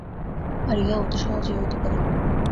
আর ইহা অতি সহজেই হইতে পারে।